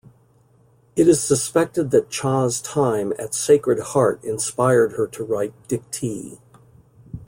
It is suspected that Cha's time at Sacred Heart inspired her to write "Dictee".